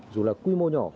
dù là quy mô nhỏ